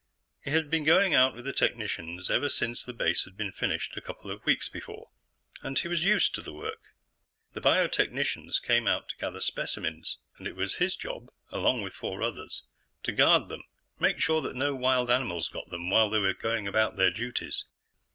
He had been going out with the technicians ever since the base had been finished, a couple of weeks before, and he was used to the work. The biotechnicians came out to gather specimens, and it was his job, along with four others, to guard them make sure that no wild animal got them while they were going about their duties.